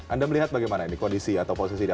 anda melihat bagaimana ini kondisi atau posisi